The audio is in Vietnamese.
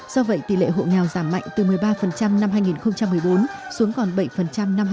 do vậy tỷ lệ hộ nghèo giảm mạnh từ một mươi ba năm hai nghìn một mươi bốn xuống còn bảy năm hai nghìn một mươi bảy